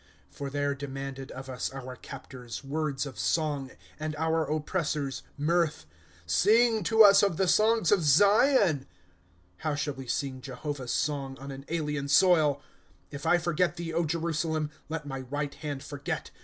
For there demanded of us Our captors, words of song, And our oppressors, mirth : Sing to us of the songs of Zion. * How sliall we sing Jehovah's song, On an alien soil !^ If I forget thee, Jerusalem. Let my right hand forget